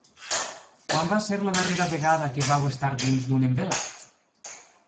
Quan va ser la darrera vegada que vau estar dins d’un envelat?